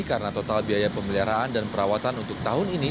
karena total biaya pemeliharaan dan perawatan untuk tahun ini